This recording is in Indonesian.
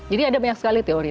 jadi ada banyak sekali teori